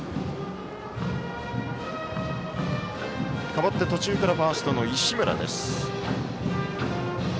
代わって途中からファーストの石村。